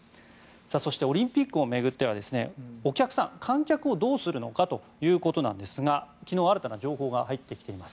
そしてオリンピックを巡ってはお客さん、観客をどうするのかということなんですが昨日、新たな情報が入ってきています。